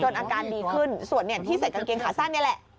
อาการดีขึ้นส่วนที่ใส่กางเกงขาสั้นนี่แหละ